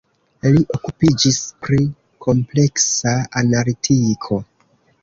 Li okupiĝis pri kompleksa analitiko.